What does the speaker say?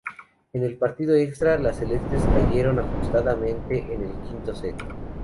En el partido extra las "celestes" cayeron ajustadamente en el quinto set.